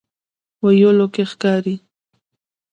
ویلو کې ښکاري.